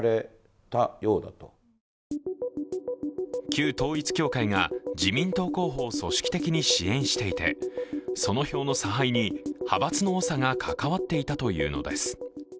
旧統一教会が自民党候補を組織的に支援していて、その票の差配に派閥の長が関わっていたというのです。